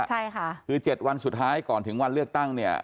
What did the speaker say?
ใช่ค่ะคือ๗วันสุดท้ายก่อนถึงวันเลือกตั้งเนี่ย